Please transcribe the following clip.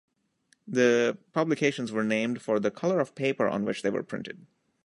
The publications were named for the color of paper on which they were printed.